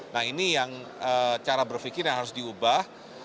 nah ini yang cara berpikir yang harus diubah